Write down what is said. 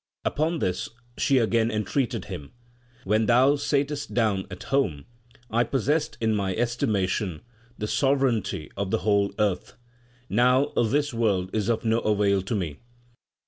Upon this she again entreated him, When thou satest down at home, I possessed in my estima tion the sovereignty of the whole earth ; now this world is of no avail to me.